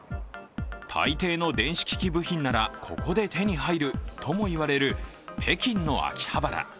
大抵の電子機器部品ならここで手に入るともいわれる北京の秋葉原。